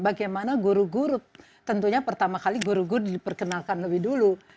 bagaimana guru guru tentunya pertama kali guru guru diperkenalkan lebih dulu